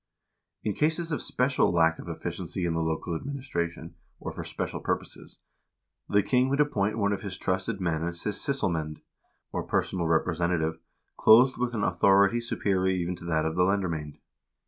In cases of special lack of efficiency in the local administration, or for special purposes, the king would appoint one of his trusted men as his sysselmand, or personal representative, clothed with an authority superior even to that of the lendermosnd.